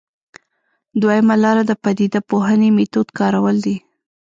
دویمه لاره د پدیده پوهنې میتود کارول دي.